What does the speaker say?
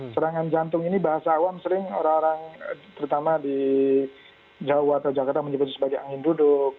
serangan jantung ini bahasa awam sering orang orang terutama di jawa atau jakarta menyebut sebagai angin duduk